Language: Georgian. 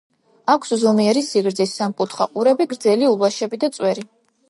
აქვს ზომიერი სიგრძის, სამკუთხა ყურები, გრძელი ულვაშები და წვერი.